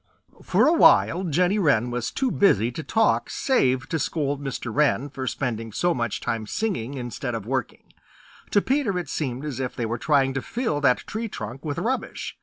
For a while Jenny Wren was too busy to talk save to scold Mr. Wren for spending so much time singing instead of working. To Peter it seemed as if they were trying to fill that tree trunk with rubbish.